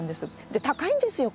で高いんですよ